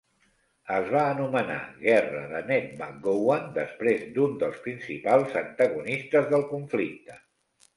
Es va anomenar guerra de Ned McGowan després d'un dels principals antagonistes del conflicte.